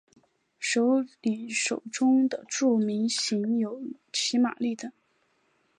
首里手中的著名型有骑马立等。